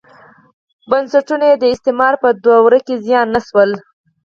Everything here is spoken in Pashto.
بنسټونه یې د استعمار په دوره کې زیان نه شول.